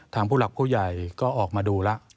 ผู้หลักผู้ใหญ่ก็ออกมาดูแล้ว